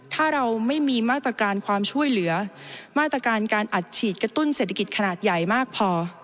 ถ้าเราไม่มีมาตรการความช่วยเหลือมาตรการการอัดฉีดกระตุ้นเศรษฐกิจขนาดใหญ่มากพอ